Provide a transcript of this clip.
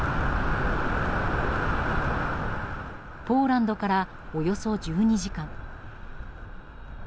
ポーランドからおよそ１２時間。